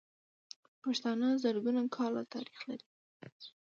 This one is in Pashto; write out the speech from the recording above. پښتانه زرګونه کاله تاريخ لري.